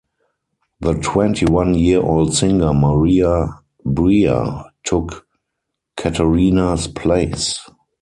The twenty-one year old singer Maria Bria took Catharina's place.